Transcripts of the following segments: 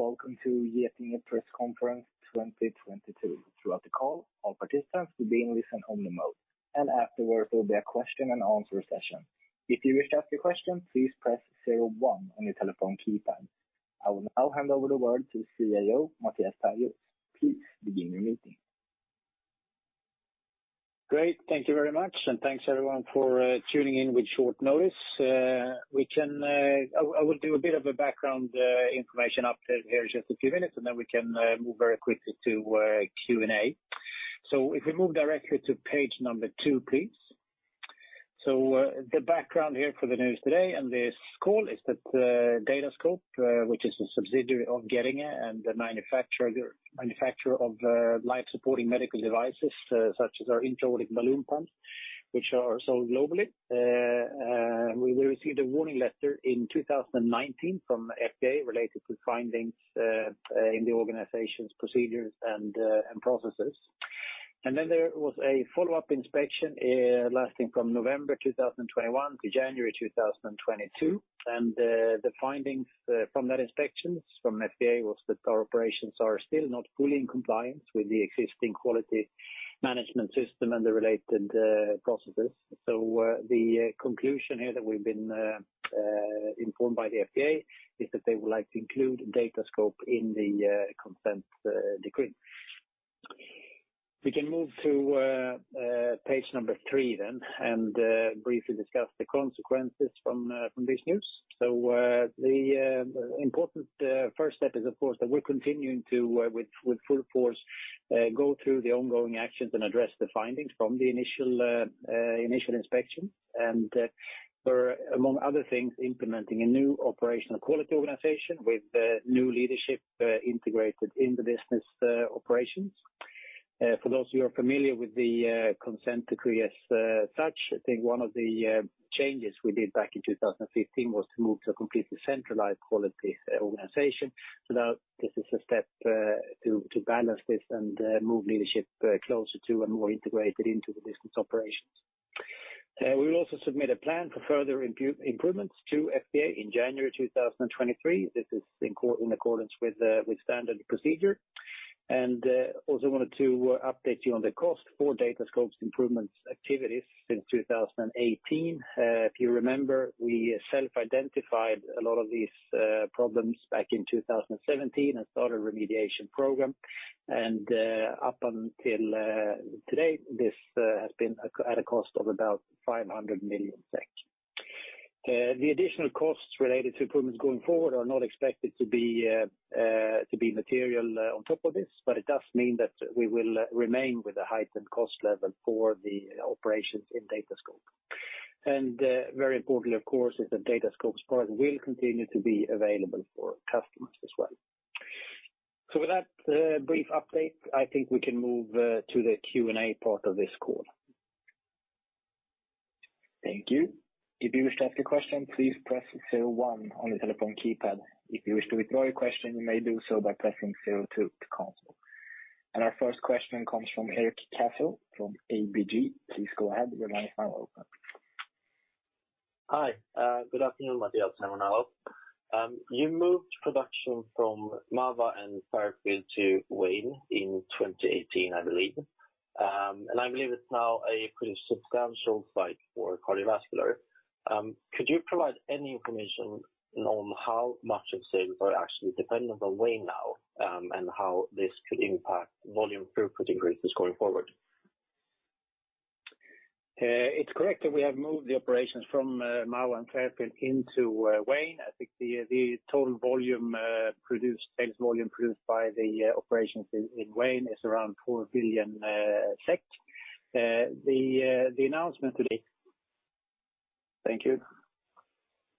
Welcome to Getinge Press Conference 2022. Throughout the call, all participants will be in listen-only mode, and afterwards there will be a question and answer session. If you wish to ask a question, please press zero one on your telephone keypad. I will now hand over the word to Chief Executive OfficerMattias Perjos. Please begin your meeting. Great, thank you very much, thanks everyone for tuning in with short notice. I will do a bit of a background information update here just a few minutes, we can move very quickly to Q&A. If we move directly to page two, please. The background here for the news today and this call is that Datascope, which is a subsidiary of Getinge and the manufacturer of life-supporting medical devices, such as our Intra-Aortic Balloon Pumps, which are sold globally. We received a Warning Letter in 2019 from FDA related to findings in the organization's procedures and processes. There was a follow-up inspection lasting from November 2021 to January 2022. The findings from that inspections from FDA was that our operations are still not fully in compliance with the existing quality management system and the related processes. The conclusion here that we've been informed by the FDA is that they would like to include Datascope in the consent decree. We can move to page number three then, and briefly discuss the consequences from these news. The important first step is of course, that we're continuing to with full force go through the ongoing actions and address the findings from the initial inspection. We're among other things, implementing a new operational quality organization with new leadership integrated in the business operations. For those who are familiar with the consent decree as such, I think one of the changes we did back in 2015 was to move to a completely centralized quality organization, so that this is a step to balance this and move leadership closer to and more integrated into the business operations. We will also submit a plan for further improvements to FDA in January 2023. This is in accordance with standard procedure. Also wanted to update you on the cost for Datascope's improvements activities since 2018. If you remember, we self-identified a lot of these problems back in 2017 and started a remediation program. Up until today, this has been at a cost of about 500 million SEK. The additional costs related to improvements going forward are not expected to be to be material on top of this, but it does mean that we will remain with a heightened cost level for the operations in Datascope. Very importantly of course, is that Datascope's product will continue to be available for customers as well. With that, brief update, I think we can move to the Q&A part of this call. Thank you. If you wish to ask a question, please press one on your telephone keypad. If you wish to withdraw your question, you may do so by pressing two to cancel. Our first question comes from Erik Cassel from ABG. Please go ahead. Your line now open. Hi. good afternoon, Mattias and Lars Sandström. you moved production from Mahwah and Fairfield to Wayne in 2018, I believe. I believe it's now a pretty substantial site for cardiovascular. could you provide any information on how much of sales are actually dependent on Wayne now, and how this could impact volume throughput increases going forward? It's correct that we have moved the operations from Mahwah and Fairfield into Wayne. I think the total volume produced, sales volume produced by the operations in Wayne is around 4 billion SEK. Thank you.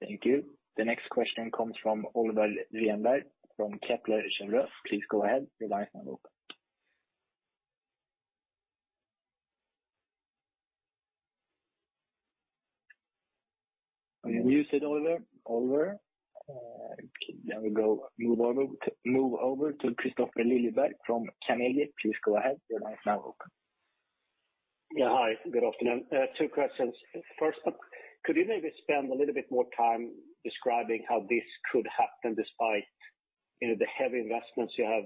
Thank you. The next question comes from Oliver Reinberg from Kepler Cheuvreux. Please go ahead. Your line now open. okay, then we move over to Kristofer Liljeberg from Carnegie. Please go ahead. Your line now open. Yeah. Hi, good afternoon. Two questions. First, could you maybe spend a little bit more time describing how this could happen despite, you know, the heavy investments you have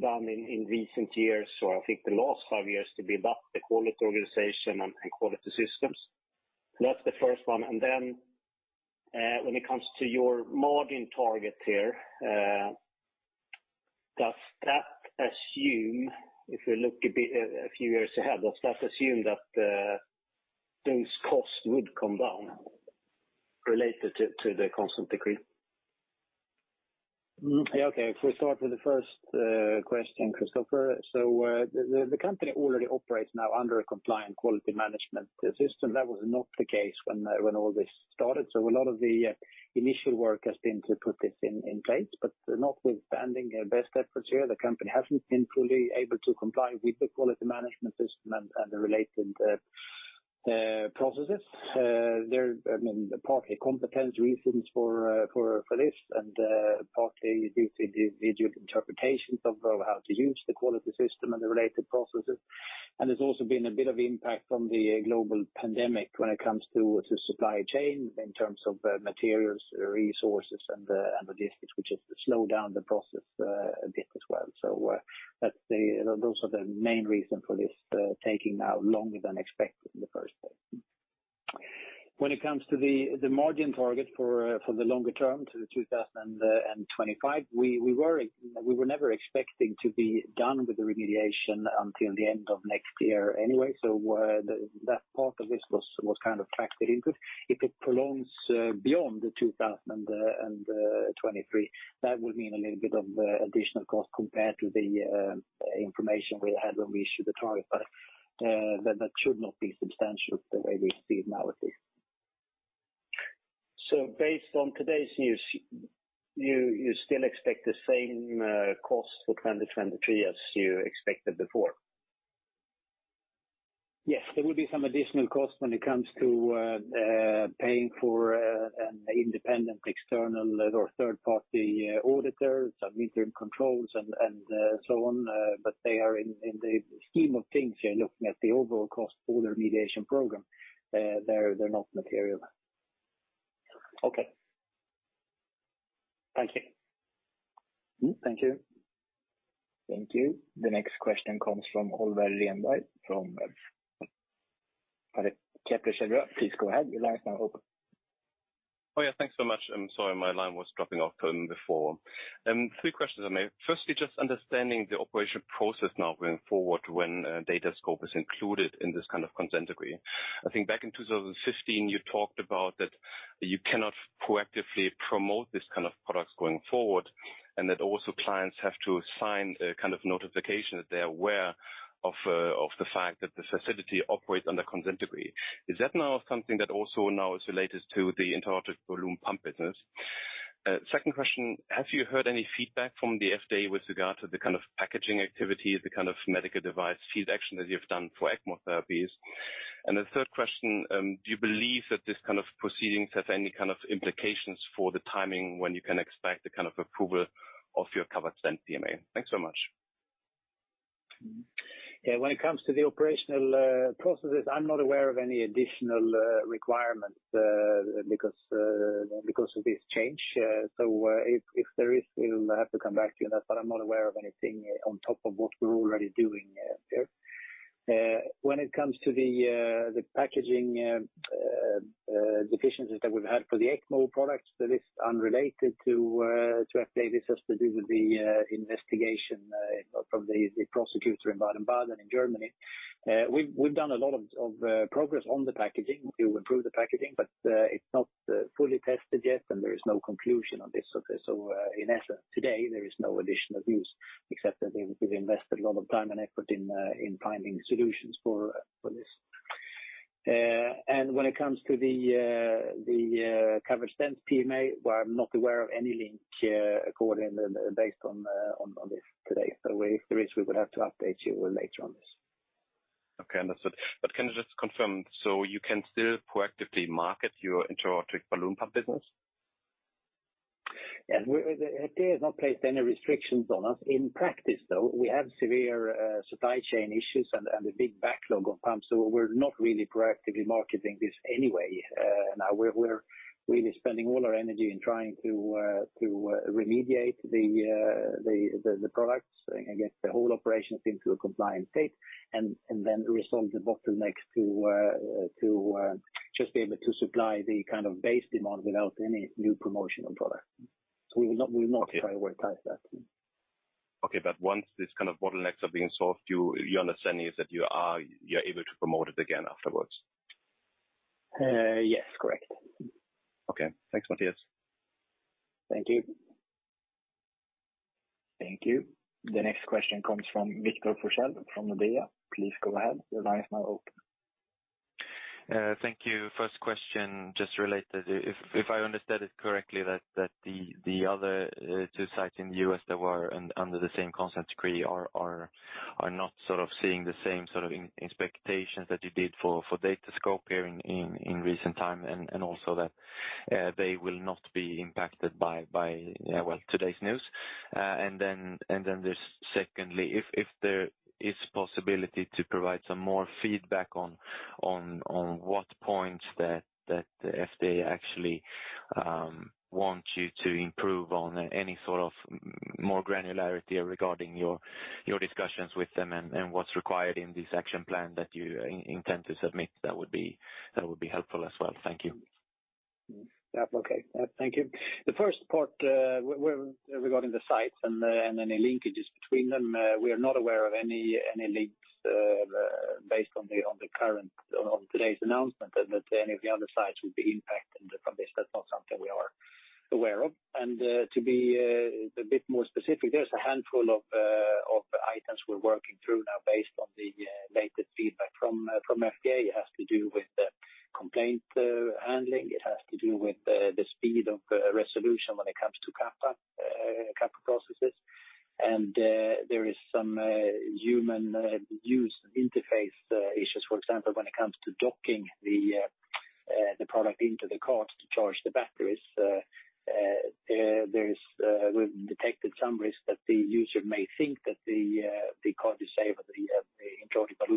done in recent years, or I think the last five years to build up the quality organization and quality systems? That's the first one. When it comes to your margin target here, does that assume if we look a bit, a few years ahead, does that assume that those costs would come down related to the consent decree? Okay. If we start with the first question, Kristofer. The company already operates now under a compliant quality management system. That was not the case when all this started. A lot of the initial work has been to put this in place. Notwithstanding our best efforts here, the company hasn't been fully able to comply with the quality management system and the related processes. There, I mean, partly competence reasons for this and partly due to the individual interpretations of how to use the quality system and the related processes. There's also been a bit of impact from the global pandemic when it comes to supply chain in terms of materials, resources and logistics, which has slowed down the process a bit as well. Those are the main reason for this taking now longer than expected in the first place. When it comes to the margin target for the longer term to 2025, we were never expecting to be done with the remediation until the end of next year anyway. That part of this was kind of factored into it. If it prolongs beyond 2023, that would mean a little bit of additional cost compared to the information we had when we issued the target. That should not be substantial the way we see it now at least. Based on today's news, you still expect the same cost for 2023 as you expected before? Yes. There will be some additional costs when it comes to paying for an independent external or third-party auditors and interim controls and so on. They are in the scheme of things, you're looking at the overall cost for the remediation program. They're not material. Okay. Thank you. Mm-hmm. Thank you. Thank you. The next question comes from Oliver Reinberg from Kepler Cheuvreux. Please go ahead. Your line is now open. Oh, yeah, thanks so much. I'm sorry my line was dropping off before. Three questions, if I may. Firstly, just understanding the operation process now going forward when Datascope is included in this kind of consent decree. I think back in 2015, you talked about that you cannot proactively promote this kind of products going forward, and that also clients have to sign a kind of notification that they're aware of the fact that this facility operates under consent decree. Is that now something that also now is related to the Intra-Aortic Balloon Pump business? Second question, have you heard any feedback from the FDA with regard to the kind of packaging activity, the kind of medical device field action that you've done for ECMO therapies? The third question, do you believe that this kind of proceedings have any kind of implications for the timing when you can expect the kind of approval of your covered stent PMA? Thanks so much. When it comes to the operational processes, I'm not aware of any additional requirements because of this change. If there is, we'll have to come back to you on that, but I'm not aware of anything on top of what we're already doing there. When it comes to the packaging deficiencies that we've had for the ECMO products, that is unrelated to update. This has to do with the investigation from the prosecutor in Baden-Baden in Germany. We've done a lot of progress on the packaging to improve the packaging, but it's not fully tested yet, and there is no conclusion on this. In essence, today there is no additional news except that we've invested a lot of time and effort in finding solutions for this. When it comes to the covered stents PMA, well, I'm not aware of any link, according based on this today. If there is, we would have to update you later on this. Okay, understood. Can you just confirm, you can still proactively market your Intra-Aortic Balloon Pump business? The FDA has not placed any restrictions on us. In practice, though, we have severe supply chain issues and a big backlog of pumps, so we're not really proactively marketing this anyway. Now we're really spending all our energy in trying to remediate the products and get the whole operation into a compliant state and then resolve the bottlenecks to just be able to supply the kind of base demand without any new promotional products. We will not prioritize that. Okay. Once these kind of bottlenecks are being solved, your understanding is that you're able to promote it again afterwards? Yes, correct. Okay. Thanks, Mattias. Thank you. Thank you. The next question comes from Victor Forssell from Nordea. Please go ahead. Your line is now open. Thank you. First question, just related. If I understood it correctly that the other two sites in the U.S. that were under the same consent decree are not sort of seeing the same sort of expectations that you did for Datascope here in recent time, and also that they will not be impacted by well, today's news. Then there's secondly, if there is possibility to provide some more feedback on what points that the FDA actually want you to improve on any sort of more granularity regarding your discussions with them and what's required in this action plan that you intend to submit, that would be helpful as well. Thank you. Yeah. Okay. Thank you. The first part, where regarding the sites and any linkages between them, we are not aware of any links, based on the, on the current, on today's announcement that any of the other sites will be impacted from this. That's not something we are aware of. To be a bit more specific, there's a handful of items we're working through now based on the latest feedback from FDA. It has to do with complaint handling. It has to do with the speed of resolution when it comes to CAPA processes. There is some human use interface issues, for example, when it comes to docking the product into the cart to charge the batteries. We've detected some risk that the user may think that the the cart is safe or the in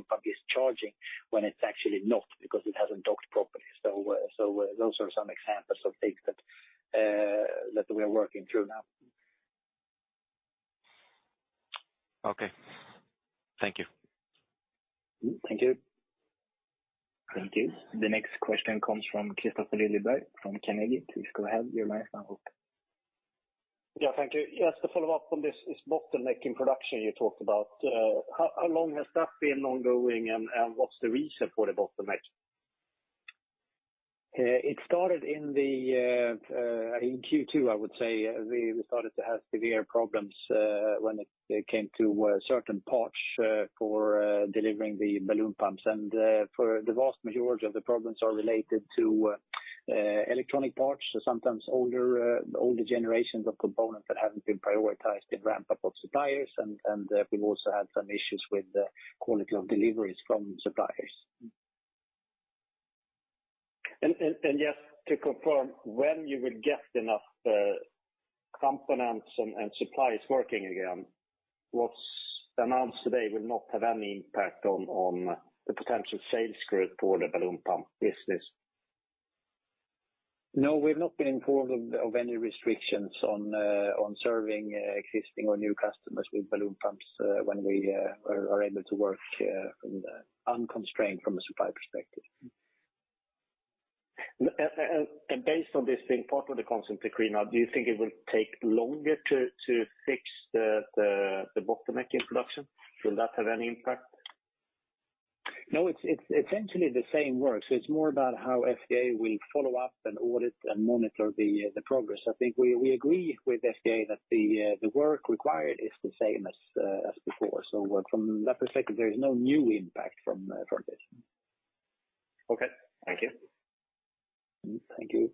is charging when it's actually not because it hasn't docked properly. Those are some examples of things that that we are working through now. Okay. Thank you. Thank you. Thank you. The next question comes from Kristofer Liljeberg, from Carnegie. Please go ahead. You're live now. Yeah, thank you. Just to follow up on this bottleneck in production you talked about. How long has that been ongoing, and what's the reason for the bottleneck? It started in Q2, I would say. We started to have severe problems when it came to certain parts for delivering the Balloon Pumps. For the vast majority of the problems are related to electronic parts, sometimes older generations of components that haven't been prioritized in ramp-up of suppliers. We've also had some issues with the quality of deliveries from suppliers. Just to confirm, when you will get enough components and suppliers working again, what's announced today will not have any impact on the potential sales growth for the balloon pump business? No, we've not been informed of any restrictions on serving existing or new customers with balloon pumps, when we are able to work unconstrained from a supply perspective. Based on this being part of the consent decree now, do you think it will take longer to fix the bottleneck in production? Will that have any impact? No, it's essentially the same work. It's more about how FDA will follow up and audit and monitor the progress. I think we agree with FDA that the work required is the same as before. From that perspective, there is no new impact from this. Okay. Thank you. Thank you.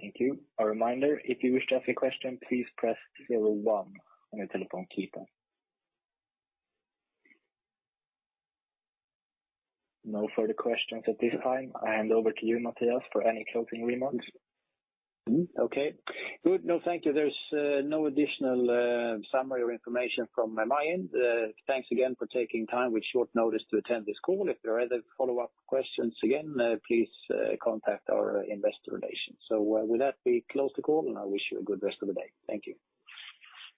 Thank you. A reminder, if you wish to ask a question, please press zero-one on your telephone keypad. No further questions at this time. I hand over to you, Mattias, for any closing remarks. Okay. Good. No, thank you. There's no additional summary or information from my end. Thanks again for taking time with short notice to attend this call. If there are other follow-up questions, again, please contact our investor relations. With that, we close the call, and I wish you a good rest of the day. Thank you.